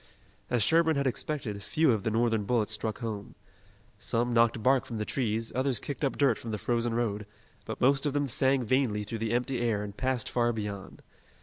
As Sherburne had expected, few of the Northern bullets struck home. Some knocked bark from the trees, others kicked up dirt from the frozen road, but most of them sang vainly through the empty air and passed far beyond.